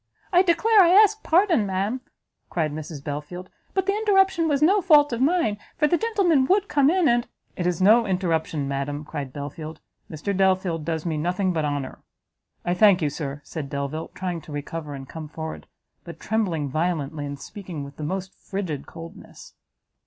"I declare I ask pardon, ma'am," cried Mrs Belfield, "but the interruption was no fault of mine, for the gentleman would come in; and " "It is no interruption, madam;" cried Belfield, "Mr Delvile does me nothing but honour." "I thank you, Sir!" said Delvile, trying to recover and come forward, but trembling violently, and speaking with the most frigid coldness.